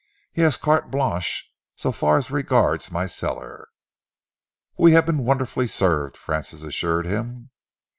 He has carte blanche so far as regards my cellar." "We have been wonderfully served," Francis assured him.